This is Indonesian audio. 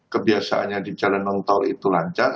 kebiasaanya di jalan nong tol itu lancar